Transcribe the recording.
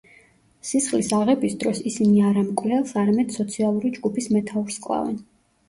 სისხლის აღების დროს ისინი არა მკვლელს, არამედ სოციალური ჯგუფის მეთაურს კლავენ.